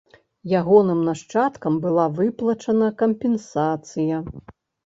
Ягоным нашчадкам была выплачана кампенсацыя.